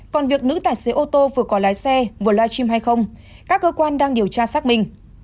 còn việc nữ tài xế ô tô vừa có lái xe vừa live stream hay không các cơ quan đang điều tra xác minh